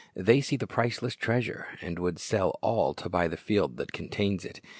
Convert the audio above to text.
They see the priceless treasure, and would sell all to buy the field that contains it.